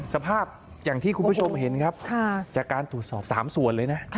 สภาพอย่างที่คุณผู้ชมเห็นครับจากการตรวจสอบ๓ส่วนเลยนะ